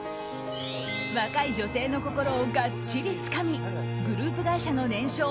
若い女性の心をガッチリつかみグループ会社の年商